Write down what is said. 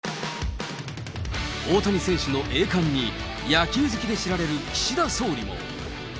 大谷選手の栄冠に、野球好きで知られる岸田総理も。